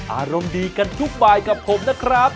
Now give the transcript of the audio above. อารมณ์ดีกันทุกบายกับผมนะครับ